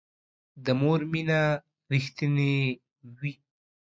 د مور مینه رښتینې وي